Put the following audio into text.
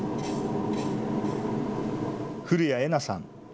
古屋絵菜さん。